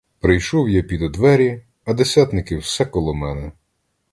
Прийшов я підо двері, а десятники все коло мене!